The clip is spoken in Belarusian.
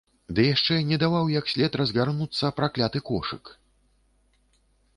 Ды яшчэ не даваў як след разгарнуцца пракляты кошык.